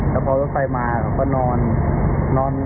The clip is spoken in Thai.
แต่พอรถไฟมาเขาก็นอน